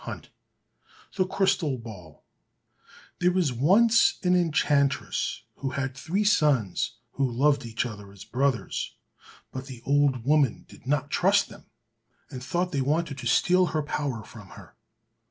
197 The Crystal Ball There was once an enchantress, who had three sons who loved each other as brothers, but the old woman did not trust them, and thought they wanted to steal her power from her.